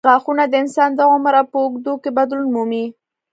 غاښونه د انسان د عمر په اوږدو کې بدلون مومي.